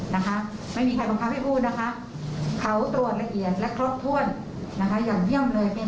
นะคะไม่มีใครบังคับให้พูดนะคะเขาตรวจละเอียดและครบถ้วนนะคะอย่างเยี่ยมเลยเป็น